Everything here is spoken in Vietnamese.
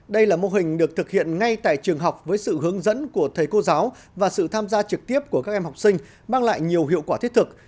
đây là mô hình được thực hiện ngay tại trường học với sự hướng dẫn của thầy cô giáo và sự tham gia trực tiếp của các em học sinh mang lại nhiều hiệu quả thiết thực